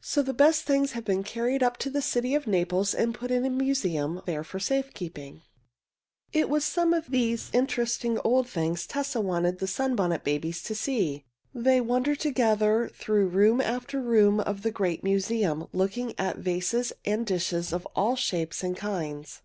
So the best things have been carried up to the city of Naples and put in the museum there for safe keeping. It was some of these interesting old things Tessa wanted the Sunbonnet Babies to see. They wandered together through room after room of the great museum, looking at vases and dishes of all shapes and kinds.